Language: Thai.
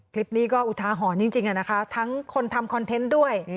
คลิปนี้ก็อุทาหรณ์จริงนะคะทั้งคนทำคอนเทนต์ด้วย